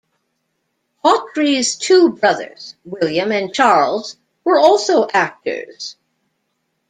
Hawtrey's two brothers, William and Charles, were also actors.